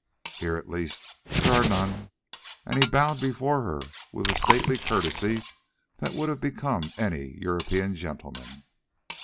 Here at least there are none," and he bowed before her with a stately courtesy that would have become any European gentleman.